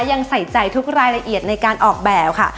ยังใส่ใจทุกรายละเอียดในการออกแบบค่ะ